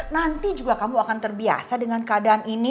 nanti juga kamu akan terbiasa dengan keadaan ini